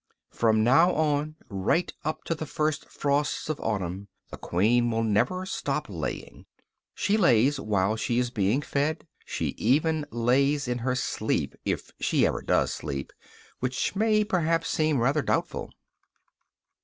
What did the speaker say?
From now on right up to the first frosts of autumn the queen will never stop laying; she lays while she is being fed, she even lays in her sleep, if she ever does sleep, which may perhaps seem rather doubtful.